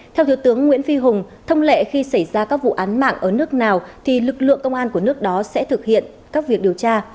theo thiếu tướng nguyễn phi hùng thông lệ khi xảy ra các vụ án mạng ở nước nào thì lực lượng công an của nước đó sẽ thực hiện các việc điều tra